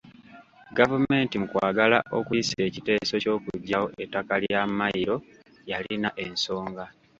Gavumenti mu kwagala okuyisa ekiteeso ky’okuggyawo ettaka lya Mmayiro yalina ensonga.